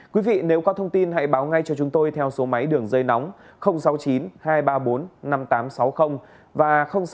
quý vị nếu có thông tin hãy báo ngay cho chúng tôi theo số máy đường dây nóng sáu mươi chín hai trăm ba mươi bốn năm nghìn tám trăm sáu mươi và sáu mươi chín hai trăm ba mươi hai một nghìn sáu trăm bảy